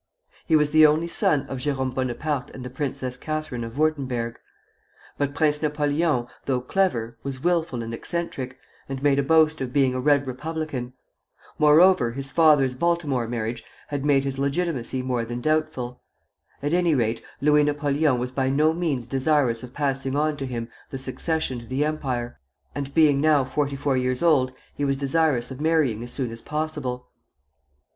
He was the only son of Jérôme Bonaparte and the Princess Catherine of Würtemberg. But Prince Napoleon, though clever, was wilful and eccentric, and made a boast of being a Red Republican; moreover, his father's Baltimore marriage had made his legitimacy more than doubtful, at any rate, Louis Napoleon was by no means desirous of passing on to him the succession to the empire; and being now forty four years old, he was desirous of marrying as soon as possible.